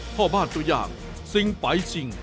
พ่อบ้านตัวอย่างซิงไปชิง